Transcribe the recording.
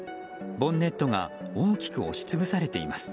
ボンネットが大きく押し潰されています。